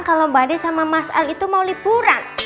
kalo mbak andien sama mas al itu mau liburan